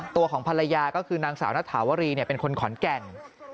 ตัวของภรรยาก็คือนางสาวนัฐาวรีเป็นคนขอนแก่น